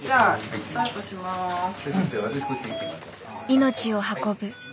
命を運ぶ。